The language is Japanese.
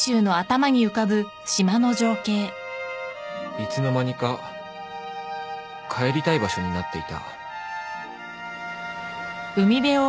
いつの間にか帰りたい場所になっていた